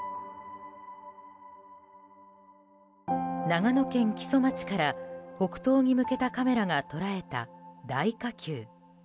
長野県木曽町から北東に向けたカメラが捉えた大火球。